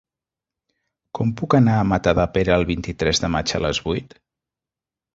Com puc anar a Matadepera el vint-i-tres de maig a les vuit?